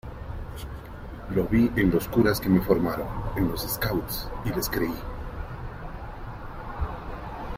Lo vi en los curas que me formaron, en los "scouts", y les creí.